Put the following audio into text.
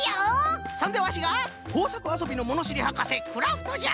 そんでワシがこうさくあそびのものしりはかせクラフトじゃ！